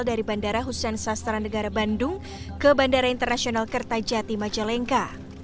dari bandara hussein sastra negara bandung ke bandara internasional kertajati majalengka